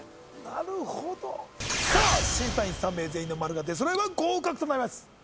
なるほどさあ審査員３名全員の○が出そろえば合格となります